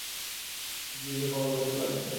চিঠি লিখে খবর নিতে পারিস না?